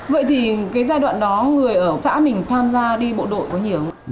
vậy thì cái giai đoạn đó người ở xã mình tham gia đi bộ đội có nhiều